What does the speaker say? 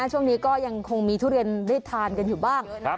ช่วงนี้ก็ยังคงมีทุเรียนได้ทานกันอยู่บ้าง